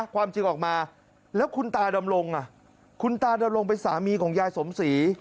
ความจริงออกมาแล้วคุณตาดำรงคุณตาดำรงเป็นสามีของยายสมศรี